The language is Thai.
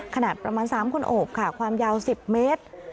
ขนาดประมาณ๓คนโอบค่ะความยาว๑๐เมตร